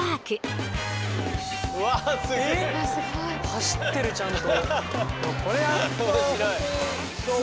走ってるちゃんと。